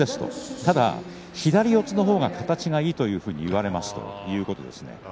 ただ左四つの方が形がいいというふうに言われますということです。